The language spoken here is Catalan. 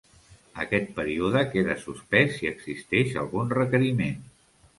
Aquest període queda suspès si existeix algun requeriment.